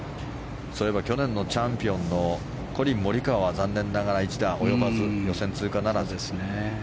そういえば去年のチャンピオンのコリン・モリカワは残念ながら１打及ばず予選通過ならず。